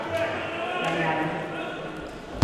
Gañaran.